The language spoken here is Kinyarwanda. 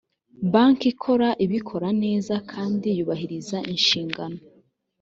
banki ikora ibikora neza kandi yubahiriza inshingano